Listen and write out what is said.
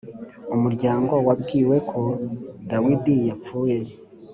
Umuryango wabwiwe ko Dawidi yapfuye